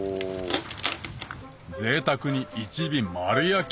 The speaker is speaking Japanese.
ぜいたくに１尾丸焼き！